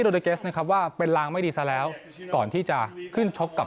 เดเกสนะครับว่าเป็นลางไม่ดีซะแล้วก่อนที่จะขึ้นชกกับ